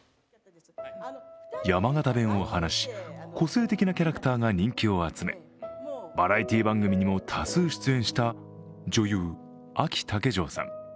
山形弁を話し、個性的なキャラクターが人気を集め、バラエティー番組にも多数出演した女優・あき竹城さん。